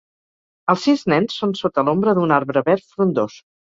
Els sis nens són sota l'ombra d'un arbre verd frondós.